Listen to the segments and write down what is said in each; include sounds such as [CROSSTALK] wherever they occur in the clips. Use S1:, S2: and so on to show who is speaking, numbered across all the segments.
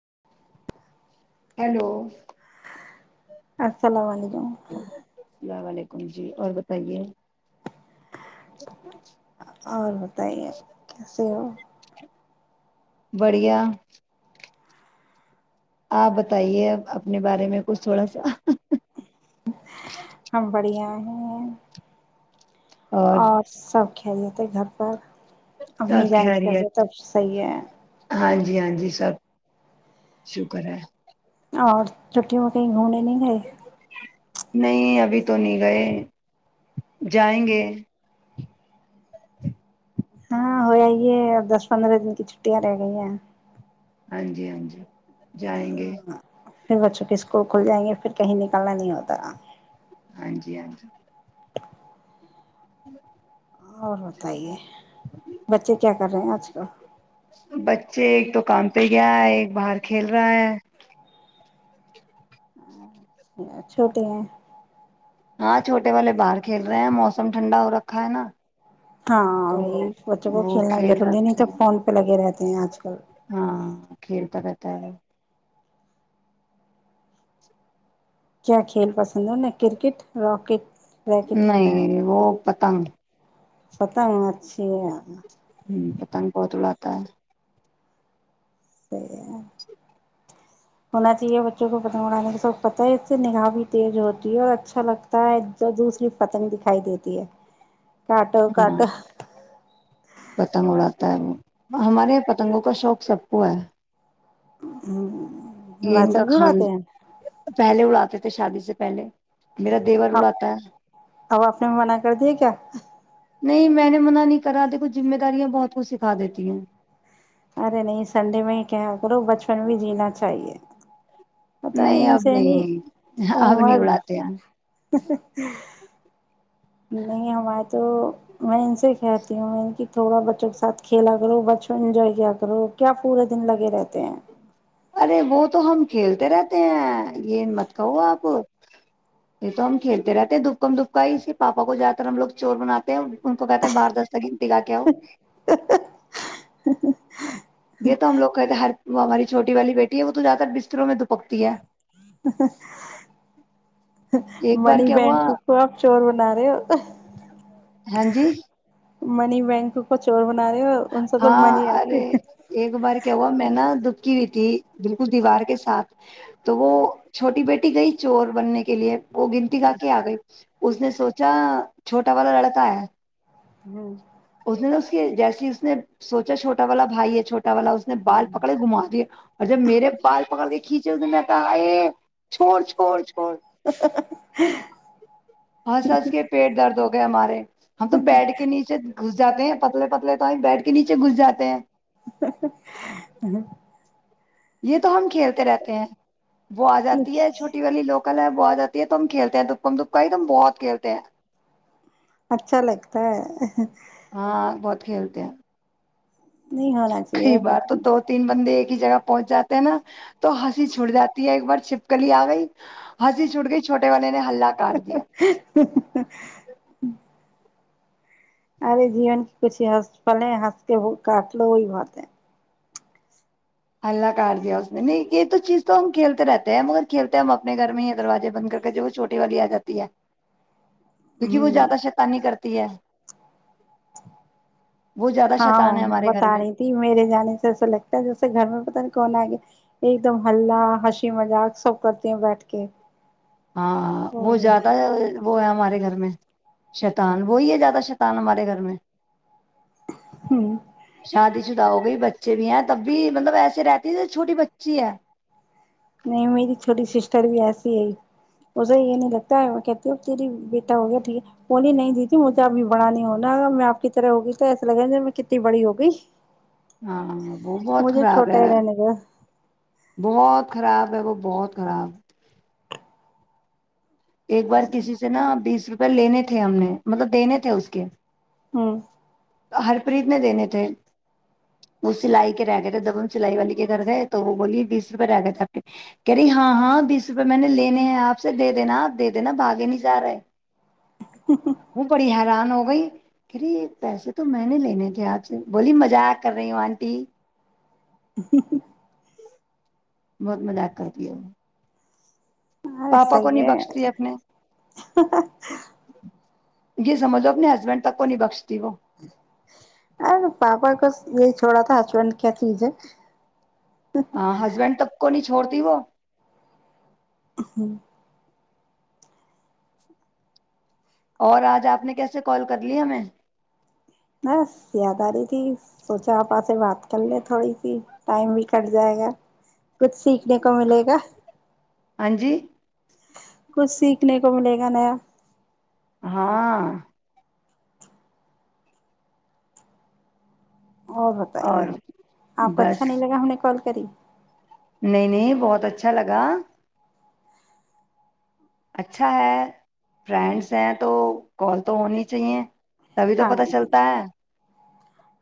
S1: [UNINTELLIGIBLE]
S2: السلام علیکم
S1: اللام علیکم جی اور بتائیے [UNINTELLIGIBLE]
S2: اور بتائیے کیسے ہو [UNINTELLIGIBLE]
S1: [UNINTELLIGIBLE] [UNINTELLIGIBLE] آپ بتائیے ا اپنے بارے میں کچھ تھوڑا سا [UNINTELLIGIBLE]
S2: [UNINTELLIGIBLE] [UNINTELLIGIBLE] [UNINTELLIGIBLE] [UNINTELLIGIBLE] [UNINTELLIGIBLE]
S1: اور
S2: [UNINTELLIGIBLE] امی
S1: سب
S2: جان کی تب
S1: خیریت
S2: تب صحیح ہے [UNINTELLIGIBLE]
S1: ہاں جی ہاں جی سب شکر ہے [UNINTELLIGIBLE]
S2: اور چھٹی میں کہیں گھومنے نہیں گئے [UNINTELLIGIBLE]
S1: نہیں ابھی تو نہیں گئے جائیں گے [UNINTELLIGIBLE]
S2: ہاں ہو جئی ہے اور دس پندرہ دن کی چھٹیاں رہ گئی ہیں [UNINTELLIGIBLE]
S1: ہاں جی ہاں جی [UNINTELLIGIBLE] جائیں گے [UNINTELLIGIBLE]
S2: پھر بچوں کے اسکول کھل جائیں گے پھر کہیں نہیں [UNINTELLIGIBLE] کل نہیں ہوتا [UNINTELLIGIBLE]
S1: ہاں جی
S2: [UNINTELLIGIBLE]
S1: ہ [UNINTELLIGIBLE] [UNINTELLIGIBLE]
S2: اور بتائیے بچے کیا کر رہے ہیں آج کل [UNINTELLIGIBLE] [UNINTELLIGIBLE]
S1: کاان پہ گیا ہے ایک باہر کھیل رہا ہے [UNINTELLIGIBLE] [UNINTELLIGIBLE]
S2: اچھا چھوٹیے ہیں [UNINTELLIGIBLE] [UNINTELLIGIBLE]
S1: ہاں چھوٹے والے باہر کھیل رہے ہیں موسم ٹھنڈا ہو رکھا ہے نا [UNINTELLIGIBLE]
S2: ہاں
S1: تو
S2: وہ بچوں کو
S1: وہ
S2: کھیلنا بھی
S1: کھیل
S2: ضروری نہیں
S1: رکھے
S2: تو فون پہ لگے رہتے [UNINTELLIGIBLE] ہیں آج [UNINTELLIGIBLE] [UNINTELLIGIBLE] کر [UNINTELLIGIBLE] [UNINTELLIGIBLE]
S1: ہاں کھیلتا رہتا ہے [UNINTELLIGIBLE] [UNINTELLIGIBLE]
S2: کیا کھیل پسند ہے میں کرکٹ راکٹ [UNINTELLIGIBLE]
S1: نہیں نہیں وہ [UNINTELLIGIBLE] [UNINTELLIGIBLE] پتنگ [UNINTELLIGIBLE] [UNINTELLIGIBLE]
S2: پتہ مارچ [UNINTELLIGIBLE] [UNINTELLIGIBLE]
S1: ہ پتن پ تولہات [UNINTELLIGIBLE] [UNINTELLIGIBLE] تر [UNINTELLIGIBLE] [UNINTELLIGIBLE]
S2: ہونا چاہیے بچوں کو پتنگ اڑانے کا سب پت ہے اس سے نگاہ بھی تیز ہوتی ہے اور اچھا لگتا ہے تو دوسری پتنگ دکھائی دیتی ہے۔ [UNINTELLIGIBLE] کاٹو
S1: ہاں
S2: کاٹو
S1: پتنگ اڑاتا ہے وہ [UNINTELLIGIBLE] [UNINTELLIGIBLE] ہمارے یہ پتنگوں کا شوق سب کو ہے [UNINTELLIGIBLE]
S2: ہوں [UNINTELLIGIBLE] [UNINTELLIGIBLE]
S1: یہ ان کا کھان پہلے اڑاتے تھے [UNINTELLIGIBLE] تھ شادی سے پہلے [UNINTELLIGIBLE] [UNINTELLIGIBLE] دیور اڑاتا ہے
S2: اب آپ نے منع کر دیا کیا
S1: نہیں میں نے منع نہیں کرا دیکھو ذمہ داریاں بہت کچھ سکھا دیتی ہیں
S2: ارے نہیں سنڈے میں ہی کیا کرو بچپن بھی جینا چاہیے پتہ
S1: نہیں
S2: ہے
S1: اب
S2: انسانی
S1: نہیں اب نہیں
S2: عمر
S1: اڑاتے ہیں
S2: نہیں ہمارے تو میں ان سے کہتی ہوں ان کی تھوڑا بچوں کے ساتھ کھیلا کرو بچپن انجوائے کیا کرو کیا پورے دن لگے رہتے ہیں
S1: ارے وہ تو ہم کھیلتے رہتے ہیں یہ مت کہو آپ یہ تو ہم کھیلتے رہتے ہیں دپکم دپکای اسکے پاپا کو جا کر ہم لوگ چور بناتے ہیں ان کو کہتے ہیں باہر دس تک گنتی گا کے آو
S2: ہ [INAUDIBLE]
S1: یہ تو ہم لوگ کہ ہر وہ ہماری چوٹی والی بیٹی ہے وہ تو زیادہ تر بستروں میں دپکتی ہے ایک بار
S2: منی
S1: کیا ہوا
S2: بینک کو آپ چور بنا رہے ہو
S1: ہاں جی
S2: منی بینک کو چور بنا رہے ہو ان سے تو
S1: ہاں
S2: منی آتی
S1: ارے
S2: ہے
S1: ایک بار کیا ہوا میں نا دپ کی ہوئی تھی بالکل دیوار کے ساتھ تو وہ چھوٹی بیٹی گئی چور بننے کے لیے وہ گنتی گا کے آ گئی اس نے سوچا چھوٹا ہمارا لڑکا ہے
S2: ہمم
S1: اس نے تو اس کی جیسے ہی اس نے سوچا چھوٹا والا بھائی ہے چھوٹا والا اس نے بال پکڑ کے گھما دیا اور جب میرے بال پکڑ کے کھینچے اس نے میں کہا ہاے چھوڑ چھوڑ چھوڑ ہنس ہنس کے پیٹ درد ہو گئے ہمارے ہم تو بیڈ کے نیچے گھس جاتے ہیں پتلے پتلے تو بیڈ کے نیچے گھس جاتے ہیں
S2: ہ
S1: یہ تو ہم کھیلتے رہتے ہیں وہ آ جاتی ہے چھوٹی والی لوکل آ جاتی ہے تو ہم کھیلتے ہیں دپکم دپکای تم بہت کھیلتے ہیں
S2: اچھا لگتا ہے
S1: ہاں بہت کھیلتے ہیں
S2: نہیں ہونا چاہیے
S1: کئی بار تو دو تین بندے جگہ پہنچ جاتے ہیں نا تو ہنسی چھوٹ جاتی ہے ایک بار چھپکلی آ گئی ہنسی چھوٹ گئی چھوٹے والے نے ہلہ کاٹ دیا
S2: [INAUDIBLE] اورے جیون کی کچ ہس پالے ہس کے کاٹ ل وہ بات [INAUDIBLE]
S1: حلہ کاٹ دیا اس نے نہیں یہ تو چیز تو ہم کھیلتے رہتے ہیں مگر کھیلتے ہیں ہم اپنے گھر میں ہی دروازے بند کر کے جو وہ چھوٹی والی آ جاتی ہے کیونکہ وہ
S2: ہوں
S1: زیادہ شیتانی کرتی م دیا
S2: ہاں
S1: ہے ہمارے گھر
S2: بتا
S1: میں
S2: رہی تھی میرے جانے سے ایسا لگتا ہے جیسے گھر میں کون آ گیا ایک دم ہلہ ہنسی مذاق سب کرتے ہیں بیٹھ کے
S1: ہاں وہ
S2: اور
S1: جاتا ہے وہ ہے ہمارے گھر میں شیتان وہی ہے زیادہ شیتان ہمارے گھر میں
S2: ہوں
S1: چٹاؤ گ بچے بھی ہیں تب بھی مطلب ایسے رہتی چھوٹی بچی ہے
S2: نہیں میری چھوٹی سسٹر بھی ایسی ہے اسے یہ نہیں لگتا ہے میں کہتیوں تیری بیٹا ہو گیا ٹھیک ہے بولی نہیں دی تھی مجھے ابھی بڑا نہیں ہونا اگر میں آپ طرح ہوگی تو ایسے لگا میں کتنی بڑی ہوگئی
S1: ہاں وہ بہت خراب ہے
S2: رہنے دو
S1: بہت خراب ہے وہ بہت خراب ایک بار کسی سے نا بیس روپئے لینے تھے ہم نے مطلب دینے تھے اس کے
S2: ہوں
S1: ہرپریت میں دینے تھے وہ سلائی کے رہ گئے تھے جب ہم سلائی والی کے گھر تھے تو وہ بولی بیس روپے رہ گئے تھے آ کے کہ رہی ہاں ہاں بیس روپے میں نے لینے ہیں آپ سے دے دینا آپ دے دینا بھاگے نہیں جا رہے وہ بڑی حیران ہو گئی کہی پیسے تو میں نے لینے تھے آج سے بولی مزا کر رہی ہوں آنٹی
S2: [UNINTELLIGIBLE]
S1: بہت مذاق کرتییا وہ پاپا کو نہیں بخشتی اپنے
S2: [UNINTELLIGIBLE]
S1: جی سمجھو اپنے ہسبینڈ تک کو نہیں بخشتی وہ
S2: ارے پاپا کو یہی چھوڑا تھا ہسبینڈ کیا چزے
S1: ہاں ہسبینڈ تب کو نہیں چھوڑتی وہ
S2: [UNINTELLIGIBLE]
S1: اور آج آپ نے کیسے کال کر لی ہمیں
S2: ب یاداری تھی سوچا آپ آ سے بات کر لیں تھوڑی سی ٹائم بھی کٹ جائے گا کچھ سیکھنے کو ملے گا
S1: [UNINTELLIGIBLE]
S2: کچھ سیکھنے کو ملے گا نیا
S1: [UNINTELLIGIBLE]
S2: اور بتائیے
S1: اور
S2: آپ کو
S1: بس
S2: اچھا نہیں لگا ہمیں کال [UNINTELLIGIBLE]
S1: نہیں نہیں بہت اچھا لگا اچھا ہے فرینڈس ہیں تو کال تو ہونی چاہیے تبھی تو
S2: ہاں
S1: پتا
S2: جی
S1: چلتا ہے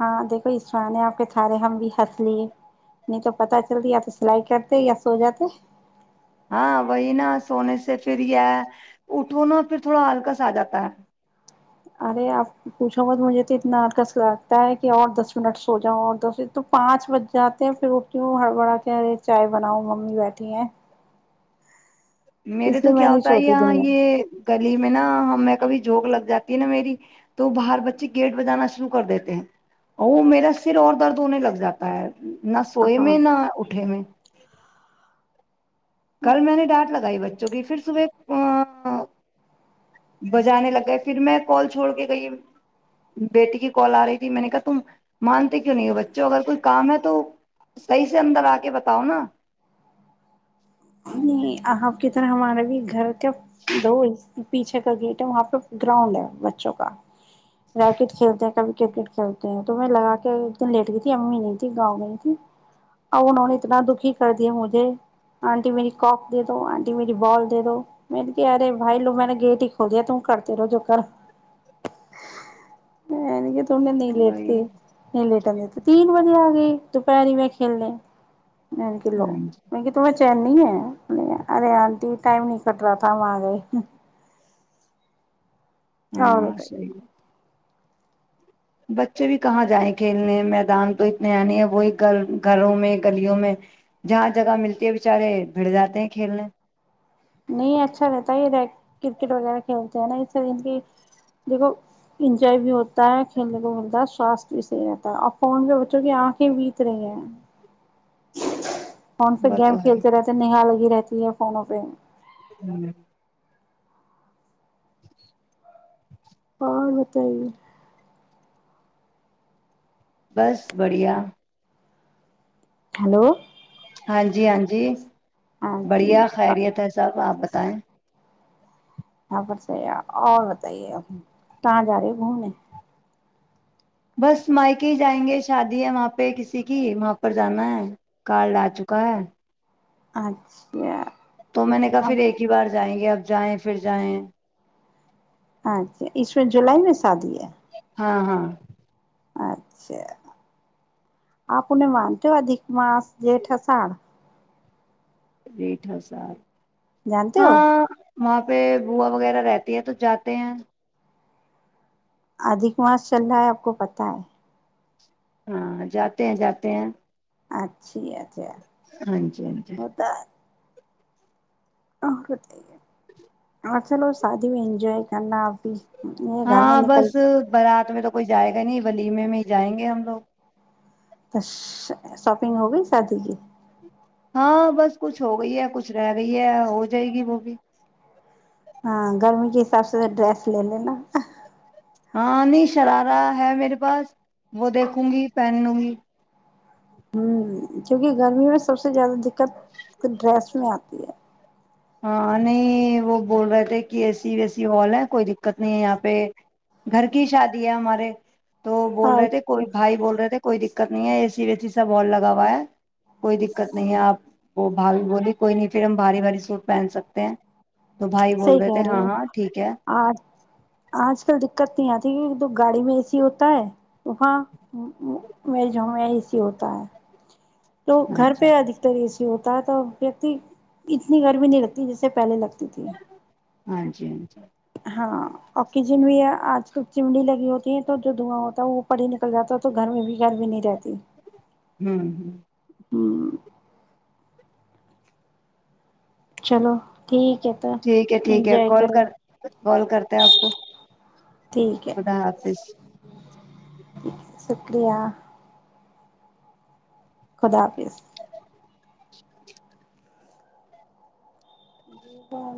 S2: ہاں دیکھو یہ سرانے آپ کے تھارے ہم بھی ہنس لیے نہیں تو پت چلتا یا تو سلائی کرتے یا سو جاتے
S1: ہاں وہی نا سونے سے پھر یہ اٹھو نا پھر تھوڑا ہلکس آ جاتا ہے
S2: ارے آپ پوچھو بت مجھے تو اتنا عرکس لگتا ہے کہ اور دس منٹ سو جاؤ اور دس تو پانچ بج جاتے ہیں پھر وہ کیوں ہڑبڑا کے ارے چائے بناؤ ممی بیٹھی ہیں
S1: میرے
S2: اس
S1: تو
S2: لیے میں
S1: کیا
S2: نہیں
S1: ہوتا ہے
S2: سوتی
S1: یہاں
S2: دن میں
S1: یہ گلی میں نا ہم کبھی جھونک لگ جاتی ہے نا میری تو باہر بچے گیٹ بجانا شروع کر دیتے ہیں اور وہ میرا سر اور درد ہونے لگ جاتا ہے نہ سوئے
S2: ہاں
S1: میں نہ اٹھے میں کل میں نے ڈانٹ لگائی بچی جوکی پھر صبح [UNINTELLIGIBLE] بجانے لگ گئے پھر میں کال چھوڑ کے گئی بیٹی کی کال آ رہی تھی میں نے کہا تم مانتے کیوں نہیں ہو بچوں اگر کوئی کام ہے تو صحیح سے اندر آ کے بتاؤ نا [UNINTELLIGIBLE]
S2: سر ہمارے بھی گھر [UNINTELLIGIBLE] کیا دوول [UNINTELLIGIBLE] پیچھے کا گیٹ ہے وہاں پہ گراؤنڈ ہے بچوں کا ریکٹ کھیلتے ہیں کبھی کرکٹ کھیلتے ہیں تو میں لگا کے ایک دن لیٹ گئی تھی امی نہیں تھی گاؤں نہیں تھی اب انہوں نے اتنا دکھی کر دیا مجھے [UNINTELLIGIBLE] آنٹی میری کوپ دے دو آنٹی میری بال دے دو میں نے کہ ارے بھائی لوگ میں نے گیٹ ہی کھول دیا ت کرتے رہو جو کر میں [UNINTELLIGIBLE] توڈ ن
S1: وہی
S2: لتی ن لےٹ [UNINTELLIGIBLE] تین بجے آ گئی دوپہری میں کھیلنے [UNINTELLIGIBLE] ک لو
S1: ہوں
S2: م تو [UNINTELLIGIBLE] چنیی ہے [UNINTELLIGIBLE] ارے آنٹی ٹم نہیں کٹ رہا تھاام آ گئے [UNINTELLIGIBLE] [UNINTELLIGIBLE]
S1: ہاں صحیح ہے
S2: [UNINTELLIGIBLE]
S1: بچے بھی کہاں جائیں کھیلنے میدان تو اتنے ہیں نہیں ہیں وہی گھر گھروں میں گلیوں میں جہاں جگہ ملتی ہے بیچارے بھڑ جاتے ہیں کھیلنے [UNINTELLIGIBLE]
S2: نہیں اچھا رہتا ہے یہ کرکٹ وغیرہ کھیلتے ہیں نہ اس سے ان کے دیکھو انجوائے بھی ہوتا ہے کھیلنے کو ملتا ہے سواستھ بھی صحیح رہتا ہے اور فون پہ بچوں کی آنکھیں بیت رہی ہیں [UNINTELLIGIBLE] فون سے
S1: وہ تو
S2: گیم
S1: ہے
S2: کھیلتے رہتے نیہا لگی رہتی [UNINTELLIGIBLE] یہ فونوں پہ [UNINTELLIGIBLE]
S1: ہوں [UNINTELLIGIBLE]
S2: اور بتائیے [UNINTELLIGIBLE]
S1: بس بڑھیا [UNINTELLIGIBLE]
S2: ہلو [UNINTELLIGIBLE]
S1: ہاں جی ہاں جی
S2: ہاں
S1: [UNINTELLIGIBLE]
S2: جی
S1: بڑھیا خیریت
S2: یہاں
S1: ہے سب آپ بت [UNINTELLIGIBLE] تائیں [UNINTELLIGIBLE]
S2: یہاں پر صحی ہے اور بتائیے کہاں جا رہے گھومنے [UNINTELLIGIBLE]
S1: بس مائیکے ہی جائیں گے شادی ہے وہاں پہ کسی کی وہاں پر جانا ہے کارڈ آ چکا ہے [UNINTELLIGIBLE]
S2: اچھا [UNINTELLIGIBLE]
S1: تو میں نے کہا پھر ایک ہی بار جائیں گے اب [UNINTELLIGIBLE] جائیں پھر جائیں [UNINTELLIGIBLE]
S2: اچھا اس وقت جولائی میں [UNINTELLIGIBLE] شادی ہے [UNINTELLIGIBLE]
S1: ہاں ہاں [UNINTELLIGIBLE]
S2: اچھا آپ انہیں مانتے ہو اد [UNINTELLIGIBLE] ماس جیٹھاسڑ [UNINTELLIGIBLE]
S1: ریٹھ ہزار [UNINTELLIGIBLE]
S2: جانتے ہو [UNINTELLIGIBLE]
S1: وہاں پہ بووا وغیرہ رہتی ہے تو جاتے ہیں [UNINTELLIGIBLE]
S2: ادھک ماس چل رہا ہے آپ کو پتہ ہے
S1: ہاں جاتے ہیں جاتے ہیں
S2: اچھا
S1: ہاں جی ہاں جی
S2: ہاں چلو شادی میں اینجواے کرنا آپ بھی یہ گھر
S1: ہاں
S2: میں
S1: بس
S2: نکل
S1: بارات میں تو کوئی جائے گا نہیں ولیمے میں ہی جائیں گے ہم لوگ
S2: تو شاپنگ ہوگیی شادی کی
S1: ہاں بس کچھ ہو گئی ہے کچھ رہ گئی ہے ہو جائے گی وہ بھی
S2: ہاں گرمی کے حساب سے ڈریس لے لینا
S1: ہاں نہیں شرارہ ہے میرے پاس وہ دیکھوں گی پہنوں گی
S2: ہوں کیونکہ گرمی میں سب سے زیادہ دقت ڈریس میں آتی ہے
S1: ہاں نہیں وہ بول رہے تھے کہ اے سی وے سی والا ہے کوئی دقت نہیں ہے یہاں پہ گھر کی شادی ہے ہمارے تو بول
S2: ہاں
S1: رہے تھے کوئی بھائی بول رہے تھے کوئی دق دقت نہیں ہے اے سی وے سی سب ہال لگا ہوا ہے کوئی دقت نہیں ہے آپ بھابی بولی کوئی نہیں پھر ہم بھاری بھاری سوٹ پہن سکتے ہیں تو بھائی بول
S2: صحی
S1: تھے
S2: کہہ رہے
S1: ہاں
S2: ہو
S1: ہاں ٹھیک ہے
S2: آج آج کل دقت نہیں آتی ایک تو گاڑی میں ا سی ہو ہو ہےفاں وج ہی سی ہوتا ہے تو
S1: ہاں
S2: گھر
S1: جی
S2: پہ ادکتر اس ہوتا ہے تو ویکتی اتنی گرمی نہیں لگتی جیسے پہلے لگتی تھی
S1: ہاں جی ہاں جی
S2: ہاں آکسیجن بھی آج کل چمڑی لگی ہوتی ہے تو جو دھواں ہوتا ہے وہ پڑ ہی نکل جاتا ہے تو گھر میں بھی گر بھی نہیں رہتی
S1: ہوں ہ
S2: ہوں چلو ٹھیک ہے تو
S1: ٹھیک ہے ٹھیک ہے
S2: انجوائے
S1: کال
S2: کرو
S1: کر کال کرتے ہیں آپ کو
S2: ٹھیک ہے
S1: خدا حافظ
S2: شکریہ خدا حافظ بند